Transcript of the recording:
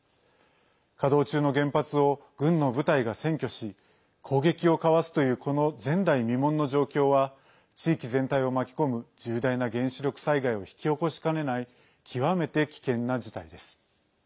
稼働中の原発を軍の部隊が占拠し攻撃をかわすというこの前代未聞の状況は地域全体を巻き込む重大な原子力災害を引き起こしかねない極めて危険な事態です。